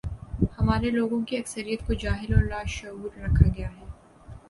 ہمارے لوگوں کی اکثریت کو جاہل اور لاشعور رکھا گیا ہے۔